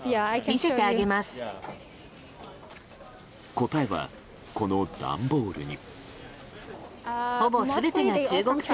答えは、この段ボールに。